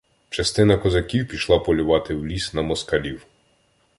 Частина козаків пішла полювати в ліс на москалів.